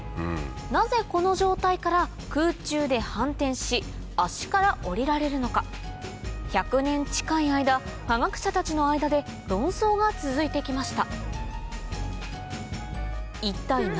なぜこの状態から空中で反転し足から降りられるのか１００年近い間科学者たちの間で論争が続いて来ました